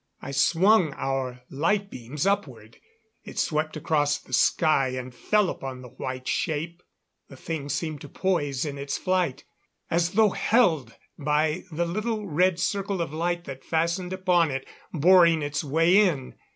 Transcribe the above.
I swung our light beams upward; it swept across the sky and fell upon the white shape; the thing seemed to poise in its flight, as though held by the little red circle of light that fastened upon it, boring its way in.